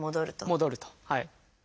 戻ると。